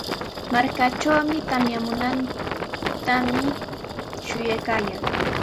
Markaatrawmi tamyamuntami shuyaykaayaa.